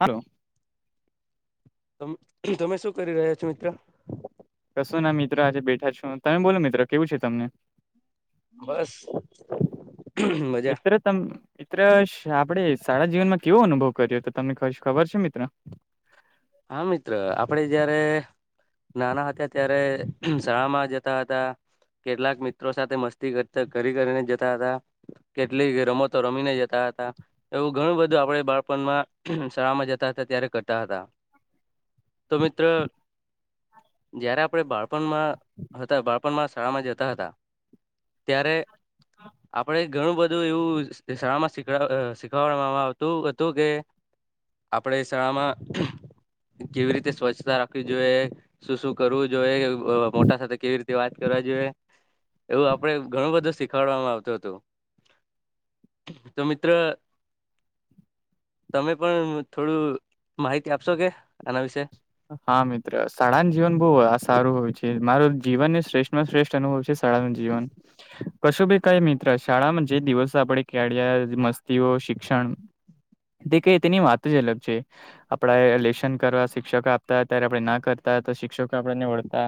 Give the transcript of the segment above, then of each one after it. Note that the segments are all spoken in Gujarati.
હલો. તમે શું કરી રહ્યા છો મિત્ર? કશો ના મિત્રો આજે બેઠા છું તમે બોલો મિત્રો કેવું છે તમને? બસ મજા. મિત્ર મિત્ર આપડે સારા જીવનમાં કેવો અનુભવ કર્યો તો તમને ખબર છે મિત્ર? હા મિત્ર આપડે જયારે નાના હતા ત્યારે શાળા માં જતા હતા. કેટલાક મિત્રો સાથે મસ્તી ઘરી કરીને જતા હતા. કેટલીક રમોતો રમીને જતા હતા. એવું ઘણું બધું આપડે બાળપણમાં શાળામાં જતા હતા ત્યારે કરતા હતા. તો મિત્રો જ્યારે આપણે બાળપણમાં હતા બાળપણમાં શાળામાં જતા હતા ત્યારે આપડે ઘણું બધું એવું શાળામાં શખ શીખડવામાં આવતું હતું કે આપણે શાળામાં કેવી રીતે સ્વચ્છતા રાખવી જોઈએ શું શું કરવું જોઈએ. મોટા સાથે કેવી રીતે વાત કરવા જોઈએ એવું આપડે ઘણું બધું શીખાડવામાં આવતું હતું. તો મિત્ર તમે પણ થોડું માહિતી આપશો કે આના વિશે હા મિત્ર શાળા જીવન બહુ સારું હોય છે. મારો જીવનને શ્રેષ્ઠ શ્રેષ્ઠ અનુભવ છે. સાારણ જીવન કશો ભી કઈ મિત્ર શાળામાં જે દિવસ આપણે કેળ્યા મસ્તીઓ શિક્ષણ તે કે તેની વાત જ અલગ છે. આપડા રલેશન કરવાખ શિક્ષકો આપતા ત્યારે આપણે ના કરતા તો શિક્ષકો આપને વળતા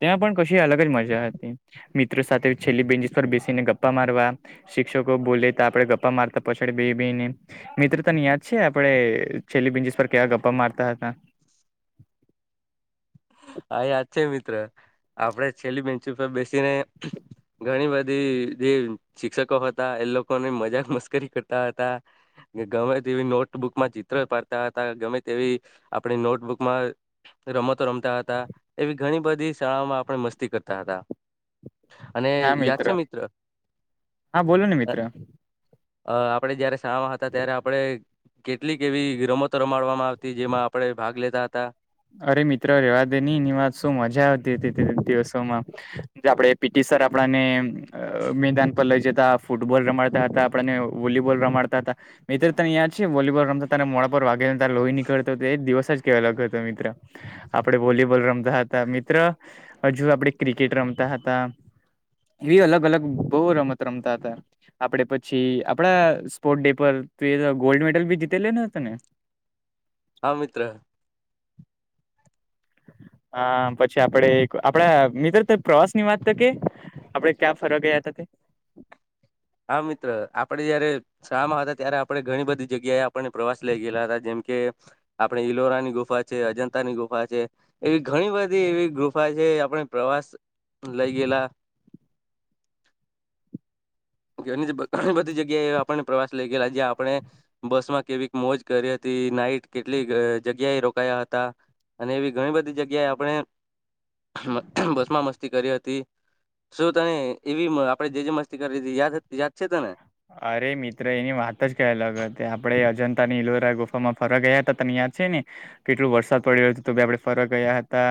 તે્યાં પણ કશી અલગ જ મજા હતી મિત્રો સાથે છેલ્લી બેન્ચસ પર બેસીને ગપ્પા મારવા શિક્ષકો બોલેતા આપણે ગપા મારતા પછડ બે બેને. મિત્ર તને યાદ છે આપડે છેલ્લી બિન્જીસ પર કેવા ગપ્પા મારતા હતા. હા યાદ છે મિત્ર આપડે છેલ્લી બેંચ ઉપર બેસીને ઘણી બધી જે શિક્ષકો હતા એ લોકોને મજાક મસ્કરી કરતા હતા. કે ગમે તેવી નોટબુકમાં ચિત્ર પાડતા હતા ગમે તેવી આપણી નોટબુકમાં રમતો રમતા હતા એવી ઘણી બધી શાળાઓમાં આપણે મસ્તી કરતા હતા. અને યાદ છે મિત્ર. હા બોલો ને મિત્ર અ આપડે જયારે શામાં હતા ત્યારે આપડ કેટલીક એવી રમતો રમાડવામાં આવતી જેમાં આપડણે ભાગ લેતા હતા. અરે મિત્રો રેવા દે નહી એની વાત શું મજા આવતી હતી દિવસોમાં આપડે પીટી સર આપણને મેદાન પર લઈ જતા ફૂટબોલ રમાડતા હતા. આપણને વોલીબોલ રમાડતા હતા. મિત્રો તને યાદ છે વોલીબોલ રમતા ત મોડા પર વાઘેને ત લોહી નીળતો હતો એ દિવસ જ કેવા લગ્યો હતો મિત. આપડે વોલીબોલ રમતા હતા મિત્ર. હજુ આપડે ક્રિકેટ રમતા હતા એવી અલગ અલગ બહુ રમત રમતા હતા. આપડે પછી આપડા સ્પોર્ટ ડે પર ત ગોલ્ડ મેડલ બી જીતે લે નને હતો ને. હા મિત્ર. હ પછી આપડે આપડા મિત્ર તો પ્રવાસની વાત તો કે આપડે ક્યાં ફરવા ગયા હતા તે. હા મિત્ર આપડે જયારે શાળામાં હતા ત્યારે આપણે ઘણી બધી જગ્યાએ આપણને પ્રવાસ લઈ ગયેલા હતા. જેમ કે આપણે ઈલોરા ની ગુફા છે. અજંતાની ગુફા છે. એવી ઘણી બધી એવી ગુફા છે. આપણે પ્રવાસ લઈ ગયેલા. ઘ ઘણી બધી જગ્યાએ એ આપણને પ્રવાસ લઇ ગયેલા જ્યાં આપણે બસ માં કેવી મોજ કરી હતી. નાઈટ કેટલી જગ્યાએ રોકાયા હતા. અને એવી ઘણી બધી જગ્યાએ આપણે બસ માં મસ્તી કરી હતી. શું તને એવી આપડે જે જે મસ્તી કરી યાદ યાદ છે ત ને? અરે મિત્ર એની વાત જ ક અલગ હતી. આપડે અજંતા ની ઇલોરા ગુફામાં ફરવા ગયા હતા તને યાદ છે ને.? કેટલોું વરસાદ પડી રહ્યો છે તો બી આપડે ફરક ગયા હતા?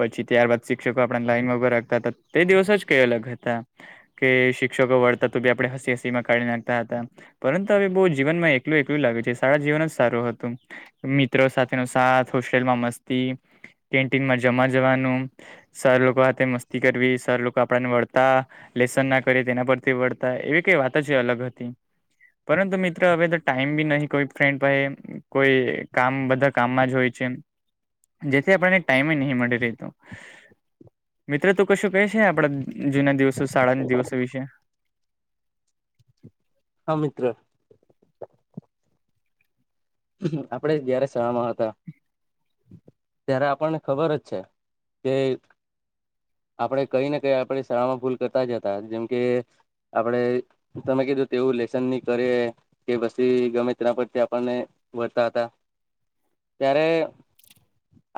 પછી ત્યારબાદ શિક્ષકો આપણાને લાઈનમાં ઊભા રાખતા હતા. તે દિવસ જ કઈ અલગ હતા.? કે શિક્ષકો વળતા તો બી આપણે હસી કાઢી નાખતા હતા પરંતુ હવે બહુ જીવનમાં એકલું એકલું લાગ્યું છે સારા જીવન જ સારું હતું. મિત્રો સાથેનો સાથ હોસ્ટેલમાં મસ્તી કેન્ટીનમાં જમા જવાનું. સર લોકો સાથેથે મસ્તી કરવી સર લોકો આપણને વળતા. લેસન ના કરી તેના પરથી વર્તા એવી કઈ વાત છે અલગ હતી. પરંતુ મિત્ર હવે તો ટાઈમ બી નહી કોઈ ફ્રેન્ડ પાહે, કોઈ કામ બધા કામમાં જ હોય જેથી આપણને ટાઈમ નહી મળી રે મિત્ર તું કશું કહે છે આપડા જૂના દિવસો શાળાના દિવસો વિશે? હા મિત્ર! આપડે જયારે શળામાં હતા. ત્યારે આપણને ખબર જ છે કે આપણે કઈ ને કઈ આપણે શાળામાં ભૂલ કરતા જ હતા જેમ કે આપણે તમે કીધું તેવું લેસન ની કરે કે પછી ગમે તેના પરથી આપણને વળતા હતા ત્યારે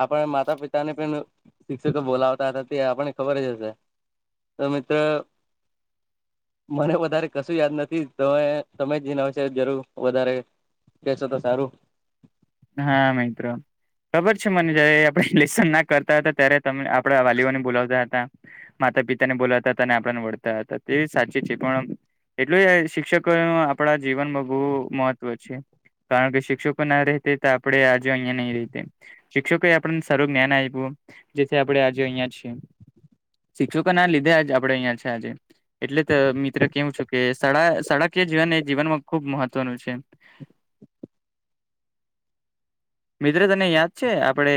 આપણે માતા પિતા ને પણ શિક્ષકો બોલાવતા હતા તે આપણને ખબર જ હશે.? તમે તો મને વધારે કશું યાદ નથી, તમે તમે જને આવશે જરૂર વધારે. કેસો તો સારું. હા મિત્રો. ખબર છે મને જયારે આપણે લેશન ના કરતા હતા ત્યારે તમે આપડા વાલીઓને બોલાવતા હતા. માતા પિતા ને બોલાતા હતા અને આપણને વળતા હતા તે સાચી છે પણ એટલું શિક્ષકો ન આપણા જીવનમાં બહુ મહત્વ છે. કારણ કે શિક્ષકો ના રતે તો આપડે આજે અહિયાંયા નહી રહી જાતે. શિક્ષકોએ આપણને સારું જ્ઞાન આપ્યું જેથી, આપડે આજે અહિયાં છીએ. શિક્ષકોના લીધે આજ આપડે અહિયાં છે આજે. એટલે તો મિત્ર કહું છું કે શાળા કે જીવન એ જીવનમાં ખુબ મહત્વનું છે. મિત્ર તને યાદ છે આપડે?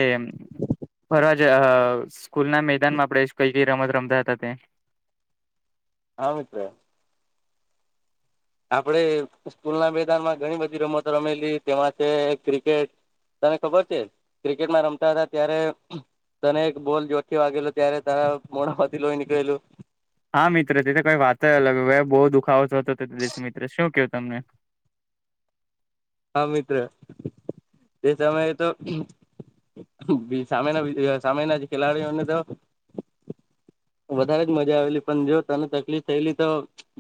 જ સ્કૂલ ના મેદાનમાં આપણે કઈકઈ રમત રમતા હતા તે? હા મિત્ર. આપણે સ્કૂલના મેદાનમાં ઘણી બધી રમતો રમેલી તેમાં છે ક્રિકેટ તને ખબર છે? ક્રિકેટમાં રમતા હતા ત્યારે તને એક બોલ જોરથી વાગેલો ત્યારે તારા મોડાંમાંથી લોઈ નીકળેલું. હા મિત્ર તે તો કઈ વાત અલગ હ બહુ દુખાવો થતો હતો દસ મિત્ર શું કહું તમને.? હા મિત્ર તે સમયે તો સામેના સામેના ખેલાડીઓને તો વધારે જ મજા આવેલી, પણ જો તને તકલીફ થયેલી તો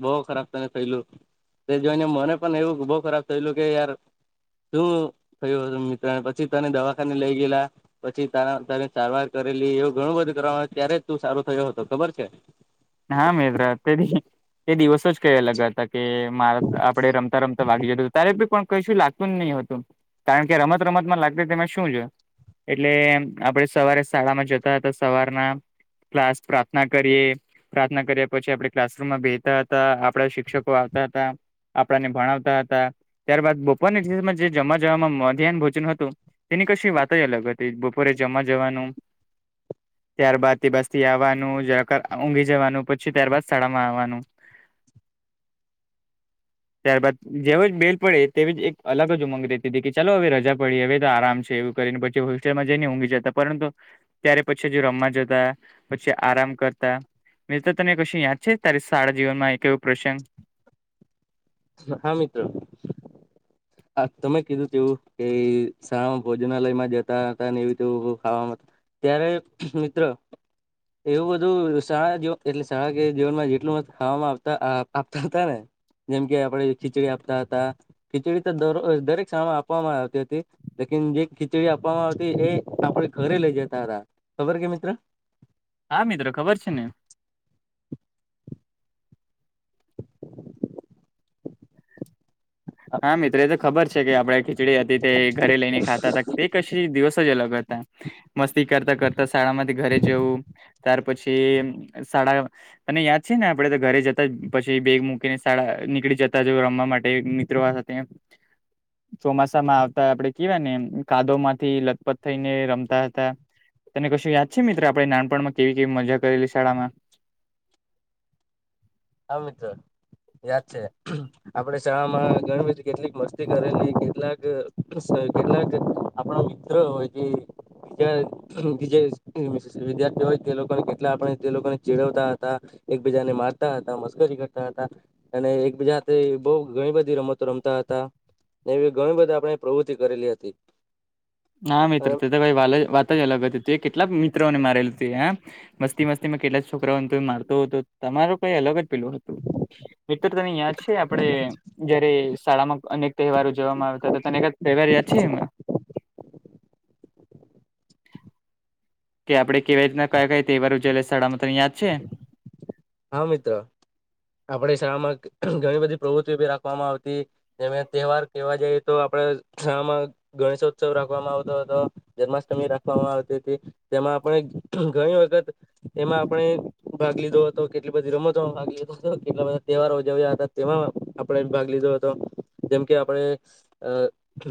બહુ ખરાબ તને થયેલું. તે જોઈને, મને પણ એવું બહુ ખરાબ થયેલું કે યાર શું થયું હતું મિત્ર ને પછી તને દવાખાને લઈ ગયેલા પછી તારા તારી સારવાર કરેલી એવું ઘણું બધું કરવાનું ત્યારે તું સારું થયો હતો ખબર છે? હા મિત્ર તે તે દિવસો જ કઈ અલગ હતા. કે મા આપડે રમતા રમતા વાગી જું તારે પણ કઈશું લાગ [inaudible] હતું કારણ કે રમત રમતમાં લાગતી તેમે શું જોયે. એટલે આપણે સવારે શાળામાં જતા હતા સવારના ક્લાસ પ્રાર્થના કરીએ. પ્રાર્થના કર્યા પછી આપણે ક્લાસરૂમમાં બેહતા હતા આપડા શિક્ષકો આવતા હતા. આપણાને ભણાવતા હતા ત્યારબાદ બપોરમાં જે જમ જમાં મધ્યાહન ભોજન હતું. તેની કશી વાત જ અલગ હતી બપોરે જમવા જવાનું ત્યાર બાાદથી બસ થી આવવાનું જ ઊંઘી જવાનું પછી ત્યારબાદ શાળામાં આવવાનું. ત્યારબાદ જેવ જ બેલ પડે તેવી જ એક અલગ જ ઉમંગ રતી હતી કે ચાલો હવે રજા પડી હવે તો આરામ છે એવું. ને પછી હોસ્ટેલમાં જઈને ઊંઘી જતા પરંતુ ત્યારે પછી હજી રમવા જતા પછી આરામ કરતા મિત્ર તને કશું યાદ છે તારી શાળા જીવનમાં એક એવો પ્રસંગ હા મિત્ર. હા તમે કીધું તેવું કે શમાં ભોજનાલયમાં જતા હતા ને એવું ખાવામાં ત્યારે મિત્ર એવું બધું શાળા જીવન એટલે શાળા જીવનમાં જેટલું મત ખાવામાંતા આપતા હતા ને જેમ કે આપડે ખીચડી આપતા હતા, ખીચડી તો દ દરેક શાળામાં આપવામાં આવતી હતી. લેકિન જે ખીચડી આપવામાં આવતી એ આપડે ઘરે લઇ જતા હતા, ખબર કે મિત્ર? હા મિત્ર ખબર છે ને. હા મિત્ર એ તો ખબર છે કે આપણે ખીચડી હતી તે ઘરે લઈને ખાતા હતા તે કશી દિવસો જ અલગ હતા. મસ્તી કરતા કરતા શાળામાંથી ઘરે જવું ત્યાર પછી શાળા અને યાદ છે ને આપડે તો ઘરે જતા પછી બેગ મૂકીને શાળા નીકળી જતા જ રમવા માટે [unintelligible] સાથે ચોમાસા માં આવતા આપડે કેવાય ને કાદો માંથી લથપથ થઈને રમતા હતા. તને કશું યાદ છે મિત્રો આપણે નાનપણમાં કેવી કેવી મજા કરેલી શાળામાં? હા મિત્ર યાદ છે. આપે શાળામાં ગણેશજી કેટલીક મસ્તી કરેલી કેટલાક કેટલાક આપણ મિત્ર હોય છે. જ બ જે વિદ્યાર્થી હોય તે લોકોને કેટલા આપણે તે લોકોને ચીડવતા હતા. એકબીજાને માર હતા મશકરી કરતા હતા અને એક બીજા બહ ઘણી બધી રમતો રમતા હતા. ને એવી ઘણી બધી આપણે પ્રવૃતિ કરેલી હતી. હા મિત્ર ત તોઈ વા વાત જ અલગ હતી હતી એ કેટલાક મિત્રો ને મારેલું તું હ મસ્તી મસ્તીમાં કેટલા જ છોકરાઓ તો મારતો હતો તમાર કઈ અલગ જ પેલું હતું. મતરતાની યાદ છે આપડણે જયારે શાળામાં અનેક તહેવારો જવામાં આવતા અનેક જ તહેવાર યાદ છે એમાં કે આપડે કેવી રીતના કયા કઈ તેવારું જેય સથળામાં તને યાદ છે. હા મિત્ર આપણે શાળામાં ઘણી બધી પ્રવૃત્તિી રાખવામાં આવતી એ તહેવાર કેવા જઈએ તો આપડે શમાં ગણેશોત્સવ રાખવામાં આવતો હતો જન્માષ્ટમી રાખવામાં આવતી હતી. તેમાં આપણે ઘણી વખત એમાં આપણે ભાગ લીધો હતો. તો કેટલી બધી રમતોમાં ભાગ લીધો હતો કેટલા બધા તહેવારો ઉજવ્યા હતા તેમાં આપડે ભાગ લીધો હતો. જેમ કે આપણે અ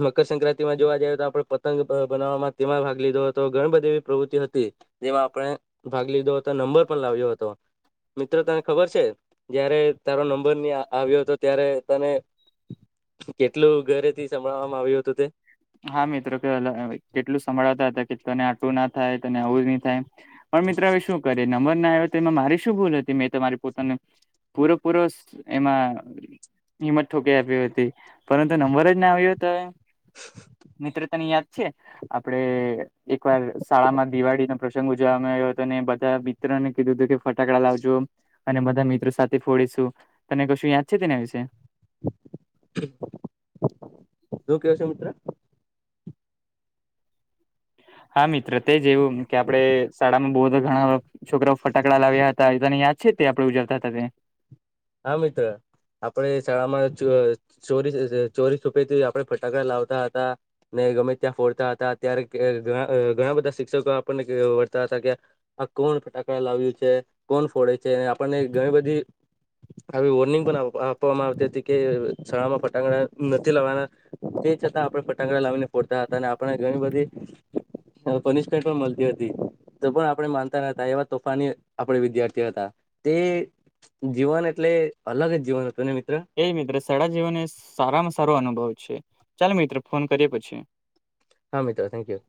મકરસક્રાિમાં જોવા જઈએ તો આપણે પતંગ બનાવવામાં તેમાં ભાગ લીધો હતો ઘણી બધી એવી પ્રવૃત્તિ હતી. જેમાં આપણે ભાગ લીધો હતો નંબર પણ લાવ્યો હતો. મિત્ર તને ખબર છે જય્યારે તારો નંબર આવ્યો હતો ત્યારે તને કેટલું ઘરેથી સંભળાવવામાં આવ્યું હતું તે હા મિત્રો કે કેટલું સંભળાવતા હતા, કે તને આટું ના થાય તોને આવવું નહી થાય. પણ મિત્ર હવે શું કરે ર આવ તો એમાં મારી શું ભૂલ હતી મેંરી પોતાને પૂરોપૂરો એમા હિંમત ઠોકીઈ આપી હતી પરંતુ નંબર જ ના આવ્યો હતો. મિત્રતાની યાદ છે, આપડે એકવાર શાળામા દિવાળીનો પ્રશ્ન ગ ઉજવવામાં આવ્યો હતો અને બધા મિત્રને કીધુંું કે ફટાકડા લાવજો અને બધા મિત્રો સાથે ફોડીશું તને કશું યાદ છે, તેના વિશે શું કેવ છે, મિત્ર હા મિત્ર તે જે એવું કે આપણે શાળામાં બહુધા ઘણા છોકરાઓ ફટાકડા લાવ્યા હતા એ તને યાદ છે, તે આપણે ઉજવતા હતા તે હા મિત્ર આપડે શાળામાં ચોરી ચોરી છૂપેથી આપે ફટાકડા લાવતા હતા. ને ગમે ત્યાં ફોડતા હતા ત્યારે ઘણા બધા શિક્ષકો આપણને વળતા હતા કે આ કોણ ફટાકડા લાવ્યું છે, કોણ ફોડે છે આપણને ઘણી બધી આવી વોર્નિંગ પણ આપવામાં આવતી હતી, કે શાળામાં ફટાકડા નથી લવાના તે છતાં આપણે ફટાકડા લાવીને ફોડતા હતા, અને આપણે ઘણી બધી હ પનિશમેન્ટ પણ મળતી હતી. તો પણ આપણે માનતા ન હતા, એવા તોફાની આપણે વિદ્યાર્થી હતા તે જીવન એટલે અલગ જ જીવન હતુ, ને મિત્ર એજ મિત્ર સળા જીવન એ સારામાં સારો અનુભવ છે, ચાલ મિત્રો ફોન કરીએ પછી હા મિત્રો થેન્કયુ